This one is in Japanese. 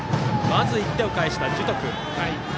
まず１点返した樹徳。